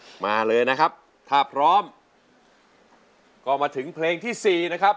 มาเลยนะครับถ้าพร้อมก็มาถึงเพลงที่สี่นะครับ